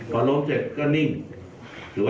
พอล้มเสร็จก็นิ่งถือว่า